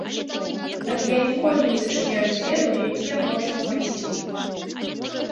Але я ніколі не зачыняю дзверы, у якія можна ўвайсці.